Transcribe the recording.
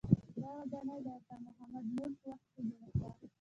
دا ودانۍ د عطا محمد نور په وخت کې جوړه شوه.